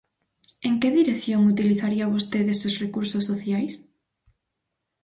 _¿En que dirección utilizaría vostede eses recursos sociais?